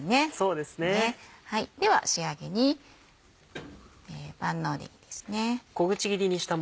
では仕上げに万能ねぎです。